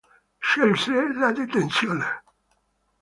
Scelse la detenzione.